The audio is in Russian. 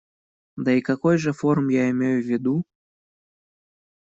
Да, и какой же форум я имею в виду?